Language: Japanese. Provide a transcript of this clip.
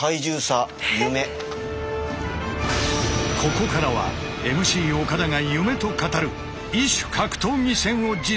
ここからはＭＣ岡田が夢と語る異種格闘技戦を実現！